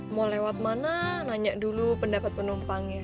mau lewat mana nanya dulu pendapat penumpangnya